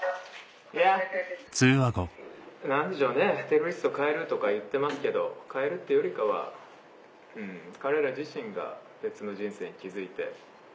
テロリストを変えるとか言ってますけど変えるっていうよりかは彼ら自身が別の人生に気付いて。